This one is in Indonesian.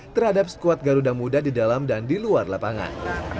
terhadap skuad garuda muda di dalam dan di luar lapangan